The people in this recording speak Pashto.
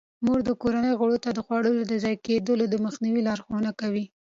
مور د کورنۍ غړو ته د خوړو د ضایع کیدو د مخنیوي لارښوونه کوي.